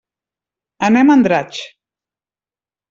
Anem a Andratx.